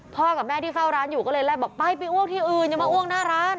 กับแม่ที่เฝ้าร้านอยู่ก็เลยไล่บอกไปไปอ้วกที่อื่นอย่ามาอ้วกหน้าร้าน